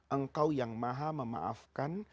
engkau yang maha memaafkan